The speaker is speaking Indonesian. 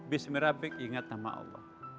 bismillahirrahmanirrahim ingat nama allah